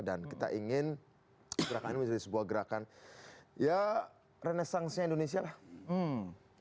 dan kita ingin gerakan ini menjadi sebuah gerakan ya renesansnya indonesia lah